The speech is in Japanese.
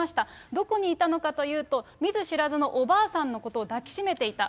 どこにいたのかというと、見ず知らずのおばあさんのことを抱き締めていた。